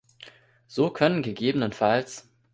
So können ggf.